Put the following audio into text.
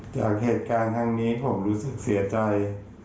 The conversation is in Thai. จากเหตุการณ์ทั้งนี้ผมรู้สึกเสียใจ